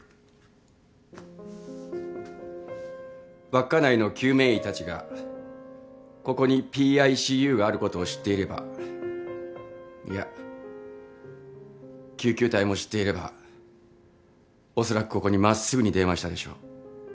稚内の救命医たちがここにＰＩＣＵがあることを知っていればいや救急隊も知っていればおそらくここに真っすぐに電話したでしょう。